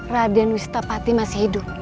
raden wistapati masih hidup